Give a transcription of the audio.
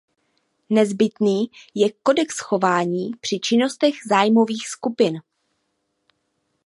Nezbytný je kodex chování při činnostech zájmových skupin.